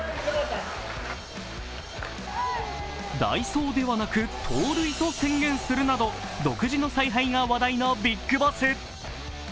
代走ではなく盗塁と宣言するなど、独自の采配が話題のビッグボス。